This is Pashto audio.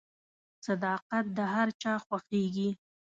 • صداقت د هر چا خوښیږي.